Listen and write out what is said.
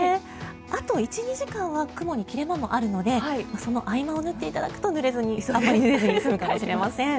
あと１２時間は雲に切れ間もあるのでその合間を縫っていただくとぬれずに済むかもしれません。